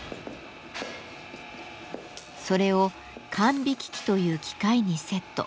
それを管引機という機械にセット。